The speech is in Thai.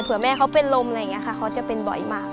แม่เขาเป็นลมอะไรอย่างนี้ค่ะเขาจะเป็นบ่อยมาก